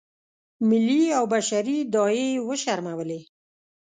ملي او بشري داعیې یې وشرمولې.